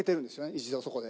一度そこで。